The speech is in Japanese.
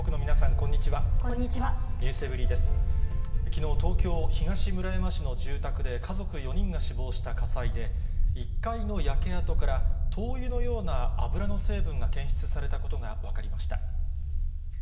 きのう、東京・東村山市の住宅で家族４人が死亡した火災で、１階の焼け跡から、灯油のような油の成分が検出されたことが分かりました。